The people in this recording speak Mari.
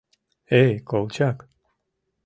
Эй, Колчак!